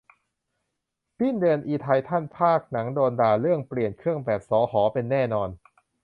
สิ้นเดือนอิไททันภาคหนังโดนด่าเรื่องเปลี่ยนเครื่องแบบสห เป็น แน่นอน